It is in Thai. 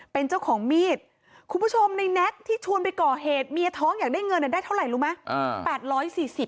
เป็นเจ้าของมีดคุณผู้ชมในแน็กที่ชวนไปก่อเหตุเมียท้องอยากได้เงินได้เท่าไหร่รู้ไหม